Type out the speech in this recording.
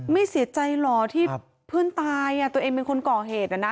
ไม่เสียใจเหรอที่เพื่อนตายตัวเองเป็นคนก่อเหตุนะนะ